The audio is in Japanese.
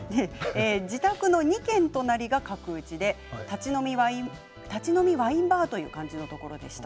自宅の２軒隣が角打ちで立ち飲みワインバーというところでした。